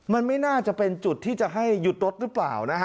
มันไม่น่าจะเป็นจุดที่จะให้หยุดรถหรือเปล่านะฮะ